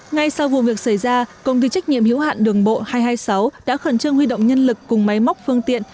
ngay sau vụ việc xảy ra công ty trách nhiệm hiếu hạn đường bộ hai trăm hai mươi sáu đã khẩn trương huy động nhân lực cùng máy móc phương tiện